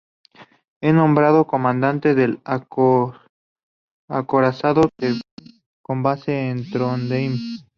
Es nombrado comandante del acorazado Tirpitz con base en Trondheim.